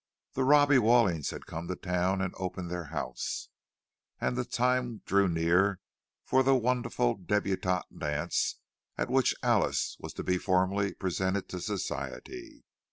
The Robbie Wallings had come to town and opened their house, and the time drew near for the wonderful débutante dance at which Alice was to be formally presented to Society.